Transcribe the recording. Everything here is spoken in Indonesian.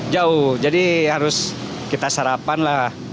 jauh jadi harus kita sarapan lah